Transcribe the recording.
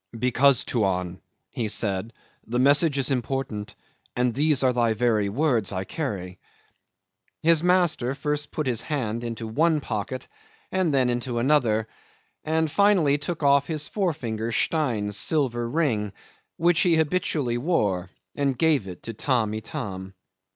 "Because, Tuan," he said, "the message is important, and these are thy very words I carry." His master first put his hand into one pocket, then into another, and finally took off his forefinger Stein's silver ring, which he habitually wore, and gave it to Tamb' Itam.